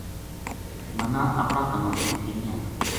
مَنا اپنا کَنا پو یقین نیہہ آ